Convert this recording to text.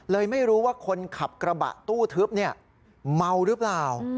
เลยไม่รู้ว่าคนขับกระบะตู้ทึบเมาหรือเปล่า